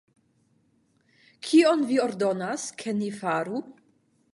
Kion vi ordonas, ke ni faru?